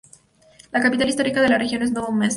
La capital histórica de la región es Novo Mesto.